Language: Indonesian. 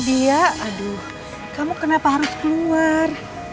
dia aduh kamu kenapa harus keluar